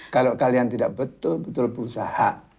kalau kalian tidak betul betul berusaha